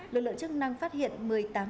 lực lượng chức năng phát hiện